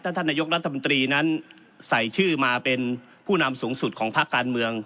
ท่านนายกรัฐมนตรีนั้นใส่ชื่อมาเป็นผู้นำสูงสุดของภาคการเมือง